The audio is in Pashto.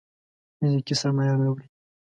فزيکي سرمايه راوړي.